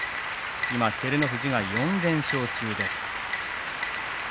今、照ノ富士が４連勝中です。